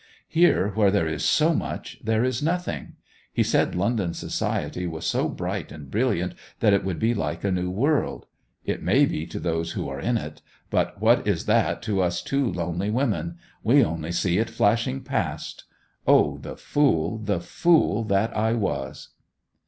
Here, where there is so much, there is nothing! He said London society was so bright and brilliant that it would be like a new world. It may be to those who are in it; but what is that to us two lonely women; we only see it flashing past! ... O the fool, the fool that I was!